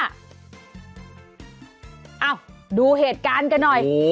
เอ้าดูเหตุการณ์กันหน่อย